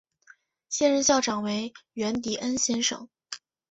现任校长为源迪恩先生。